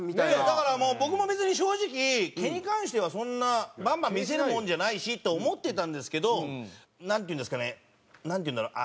だからもう僕も別に正直毛に関してはそんなバンバン見せるもんじゃないしと思ってたんですけどなんていうんですかね？なんていうんだろう？